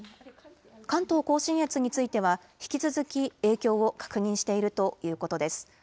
関東甲信越については引き続き影響を確認しているということです。